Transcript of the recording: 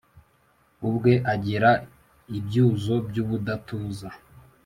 ubwe agira ibyuzo by’ ubudatuza,